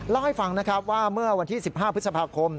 เล่าให้ฟังนะครับว่าเมื่อวันที่๑๕พฤษภาคม